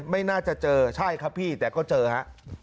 ไม่น่าจะเจอใช่ครับพี่แต่ก็เจอฮะ